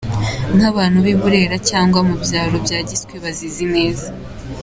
Nk’abantu b’i Burera cyangwa mu byaro bya Giswi bazizi neza.